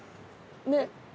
ねっ？